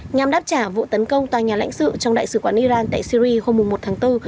nhằm đáp trả vụ tấn công tòa nhà lãnh sự trong đại sứ quán iran tại syri hôm một tháng bốn